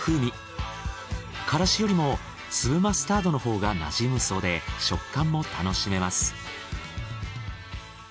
からしよりも粒マスタードのほうがなじむそうで食感も楽しめます。